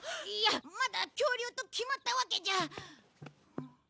いやまだ恐竜と決まったわけじゃ。